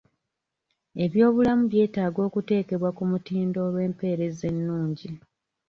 Ebyobulamu byetaaga okuteekebwa ku mutindo olw'empeereza ennungi.